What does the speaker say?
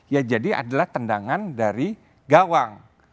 ya jadi adalah tendangan dari gawang